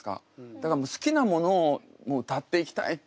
だから好きなものを歌っていきたいって。